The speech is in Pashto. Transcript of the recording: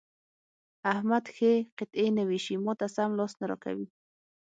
احمد ښې قطعې نه وېشي؛ ما ته سم لاس نه راکوي.